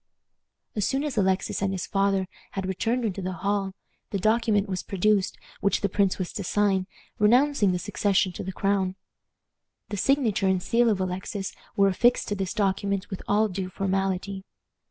As soon as Alexis and his father had returned into the hall, the document was produced which the prince was to sign, renouncing the succession to the crown. The signature and seal of Alexis were affixed to this document with all due formality.